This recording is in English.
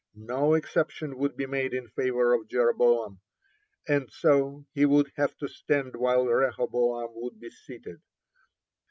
No exception would be made in favor of Jeroboam, and so he would have to stand while Rehoboam would be seated.